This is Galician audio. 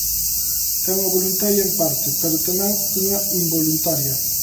Unha voluntaria en parte, pero tamén unha involuntaria.